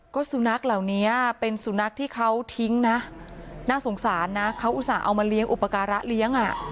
ก็สุนัขเหล่านี้เป็นสุนัขที่เขาทิ้งนะน่าสงสารนะเขาอุตส่าห์เอามาเลี้ยงอุปการะเลี้ยงอ่ะ